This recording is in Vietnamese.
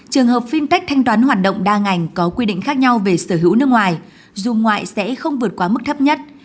trường hợp fintech thanh toán hoạt động đa ngành có quy định khác nhau về sở hữu nước ngoài dù ngoại sẽ không vượt quá mức thấp nhất